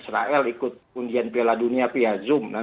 jadi bayangkannya adalah bagaimana undian piala dunia itu bisa digelar